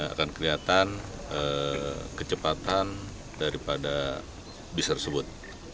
akan kelihatan kecepatan daripada bis tersebut